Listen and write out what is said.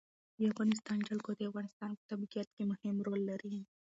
د افغانستان جلکو د افغانستان په طبیعت کې مهم رول لري.